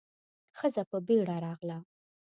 ښځه په بيړه راغله.